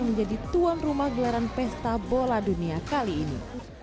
menjadi tuan rumah gelaran pesta bola dunia kali ini